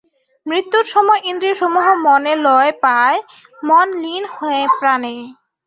মৃত্যুর সময় ইন্দ্রিয়সমূহ মনে লয় পায়, মন লীন হয় প্রাণে।